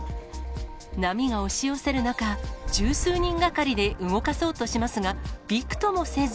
波が押し寄せる中、十数人がかりで動かそうとしますが、びくともせず。